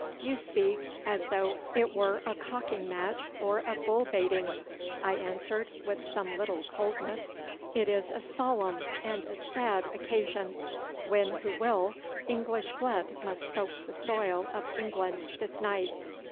'You speak as though it wore a cocking match or a bull baiting, 'I answered, with some little coldness. 'It is a solemn and a sad occasion. Win who will, English blood must soak the soil of England this night.